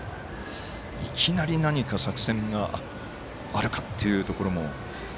いきなり何か作戦があるかというところも。